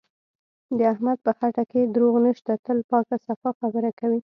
د احمد په خټه کې دروغ نشته، تل پاکه صفا خبره کوي.